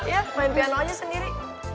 ya main piano nya sendiri